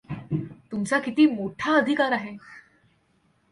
तुमचा किती मोठा अधिकार आहे.